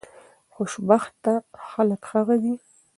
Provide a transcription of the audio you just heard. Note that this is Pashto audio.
خوشبخته خلک هغه دي